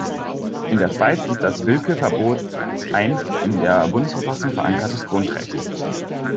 In der Schweiz ist das Willkür-Verbot ein in der Bundesverfassung verankertes Grundrecht.